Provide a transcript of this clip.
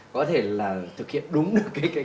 có thể là thực hiện đúng được